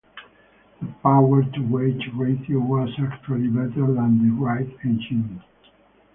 The power-to-weight ratio was actually better than the Wright engine.